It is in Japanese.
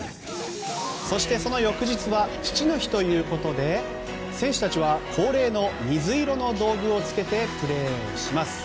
そしてその翌日は父の日ということで選手たちは恒例の水色の道具をつけてプレーします。